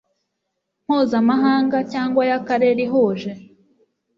mpuzamahanga cyangwa y akarere ihuje